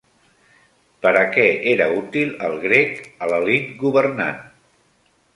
Per a què era útil el grec a l'elit governant?